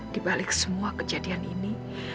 di balik semua kejadian ini